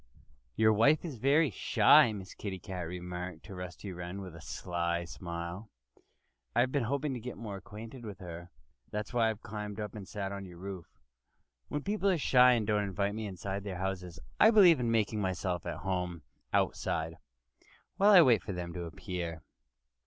"Your wife is very shy," Miss Kitty remarked to Rusty Wren with a sly smile. "I've been hoping to get more acquainted with her. That's why I climbed up and sat on your roof. When people are shy and don't invite me inside their houses I believe in making myself at home outside, while I wait for them to appear."